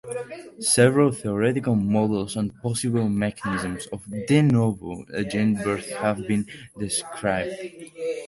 Several theoretical models and possible mechanisms of "de novo" gene birth have been described.